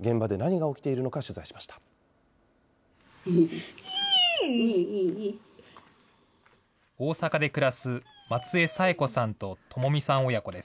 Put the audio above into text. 現場で何が起きているのか、取材大阪で暮らす松江佐枝子さんと知美さん親子です。